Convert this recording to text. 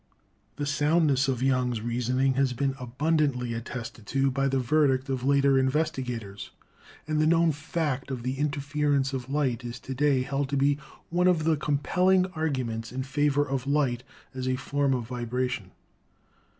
The soundness of Young's reasoning has been abundantly attested to by the verdict of later investigators, and the known fact of the "interference" of light is to day held to be one of the compelling arguments in favor of light as a form of vibration.